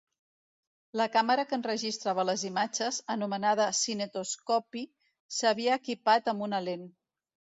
La càmera que enregistrava les imatges, anomenada "cinetoscopi", s'havia equipat amb una lent.